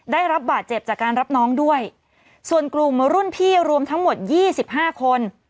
ได้รับบาดเจ็บจากการรับน้องด้วยส่วนกลุ่มรุ่นพี่รวมทั้งหมดยี่สิบห้าคน